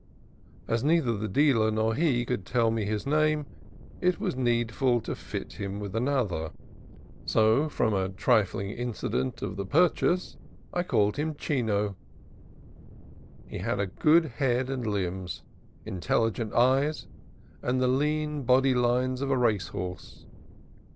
As neither the dealer nor he could tell me his name, it was needful to fit him with another; so, from a trifling incident of the purchase, I called him Chino. He had a good head and limbs, intelli gent eyes, and the lean body lines of a racehorse.